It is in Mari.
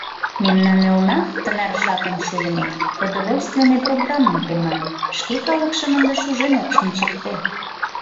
Мемнан элна, тынар жапым шуйымек, Продовольственный программым тема, шке калыкшым ынде шужен ок шинчыкте.